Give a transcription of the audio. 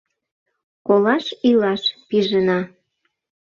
Колаш-илаш пижына...